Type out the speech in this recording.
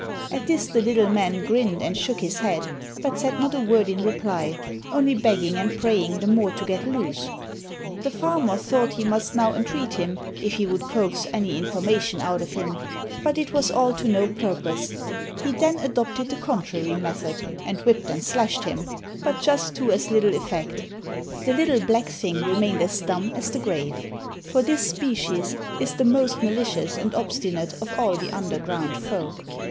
At this the little man grinned and shook his head, but said not a word in reply, only begging and praying the more to get loose. The farmer thought he must now entreat him if he would coax any information out of him. But it was all to no purpose. He then adopted the contrary method, and whipped and slashed him, but just to as little effect. The little black thing remained as dumb as the grave, for this species is the most malicious and obstinate of all the underground folk.